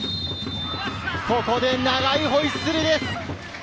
ここで長いホイッスル。